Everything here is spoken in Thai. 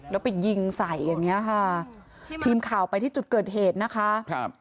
แล้วไปยิงใส่อย่างเงี้ยค่ะทีมข่าวไปที่จุดเกิดเหตุนะคะครับ